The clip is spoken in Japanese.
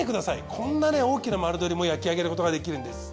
こんなね大きな丸鶏も焼き上げることができるんです。